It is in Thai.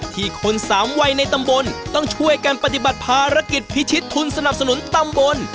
คนสามวัยในตำบลต้องช่วยกันปฏิบัติภารกิจพิชิตทุนสนับสนุนตำบล